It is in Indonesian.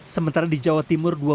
sementara di jawa timur